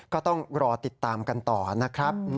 ก็ต้องรอติดตามกันต่อนะครับ